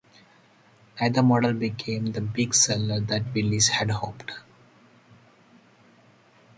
Neither model became the big seller that Willys had hoped.